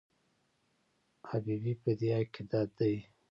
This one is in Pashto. حبیبي په دې عقیده دی.